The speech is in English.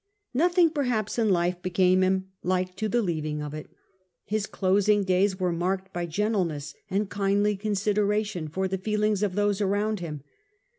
Nothing perhaps in life became him like to the leaving of it. His closing days were marked by gentleness and kindly consideration for the feelings of those around him.